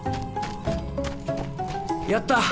やった！